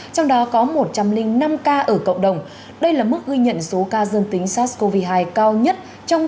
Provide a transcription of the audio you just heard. trong đó có một trăm linh năm ca ở cộng đồng đây là mức ghi nhận số ca dương tính sars cov hai cao nhất trong